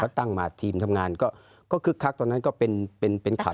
ตั้งมาทีมทำงานก็คึกคักตอนนั้นก็เป็นเป็นข่าว